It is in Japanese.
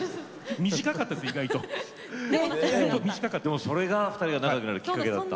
でもそれが２人が仲よくなるきっかけだった。